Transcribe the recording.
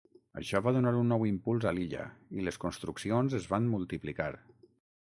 Això va donar un nou impuls a l'illa i les construccions es van multiplicar.